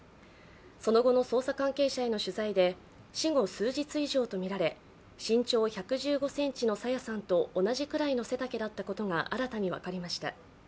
その後の捜査関係者への取材で死後数日以上とみられ、身長１１５ｃｍの朝芽さんと同じくらいの背丈だったことが新たに分かりました。